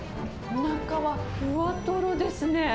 中はふわとろですね。